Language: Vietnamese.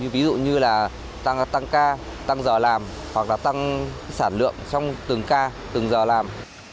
ví dụ như là tăng ca tăng giờ làm hoặc là tăng sản lượng trong từng ca từng giờ làm